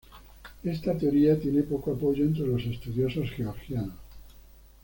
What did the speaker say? Esta teoría tiene poco apoyo entre los estudiosos georgianos.